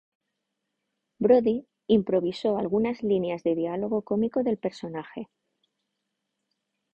Brody improvisó algunas líneas de diálogo cómico del personaje.